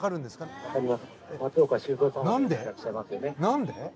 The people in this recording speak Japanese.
何で？